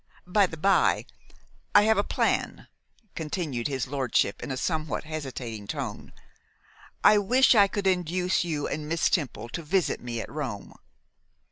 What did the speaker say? By the bye, I have a plan,' continued his lordship, in a somewhat hesitating tone; 'I wish I could induce you and Miss Temple to visit me at Rome.